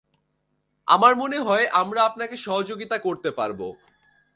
আমার মনে হয় আমরা আপনাকে সহযোগিতা করতে পারবো।